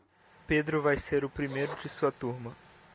Pedro vai ser o primeiro de sua turma.